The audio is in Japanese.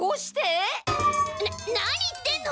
な何言ってんの？